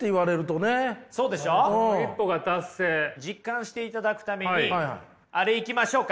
実感していただくためにあれいきましょうか。